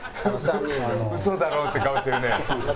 「ウソだろ」って顔してるね。